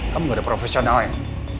kamu nggak ada profesional yang